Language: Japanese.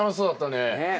ねえ。